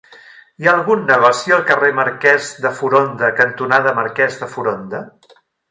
Hi ha algun negoci al carrer Marquès de Foronda cantonada Marquès de Foronda?